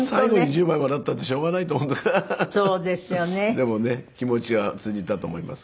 でもね気持ちは通じたと思いますけど。